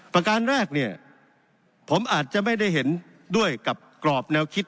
ประการแรกเนี่ยผมอาจจะไม่ได้เห็นด้วยกับกรอบแนวคิด